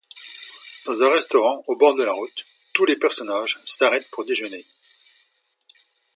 Dans un restaurant au bord de la route, tous les personnages s'arrêtent pour déjeuner.